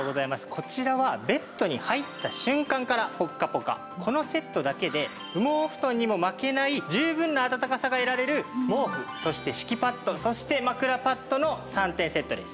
こちらはベッドに入った瞬間からポッカポカこのセットだけで羽毛布団にも負けない十分な暖かさが得られる毛布そして敷きパッドそして枕パッドの３点セットです。